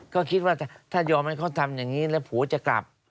ก็คิดว่าถ้ายอมให้เขาทำอย่างนี้แล้วผัวจะกลับ